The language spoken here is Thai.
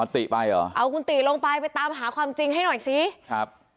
ติไปเหรอเอาคุณติลงไปไปตามหาความจริงให้หน่อยสิครับ